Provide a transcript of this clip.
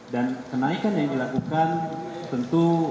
dan kenaikan yang dilakukan tentu